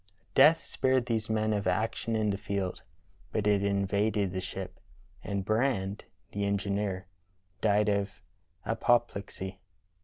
" Death spared these men of action in the field, but it invaded the ship, and Brand, the engineer, died of apo plexy.